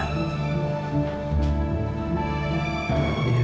di rumah sakit ya